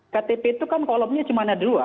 ktp itu kan kolomnya cuma ada dua